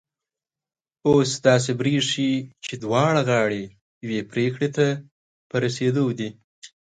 اوس داسي برېښي چي دواړه غاړې یوې پرېکړي ته په رسېدو دي